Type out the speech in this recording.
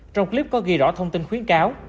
trong clip có ghi rõ thông tin khuyến cáo